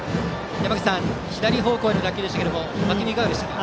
左方向への打球でしたがバッティングはいかがでしたか？